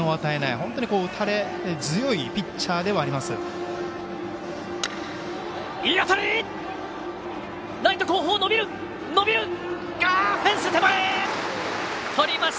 本当に打たれ強いピッチャーではあります。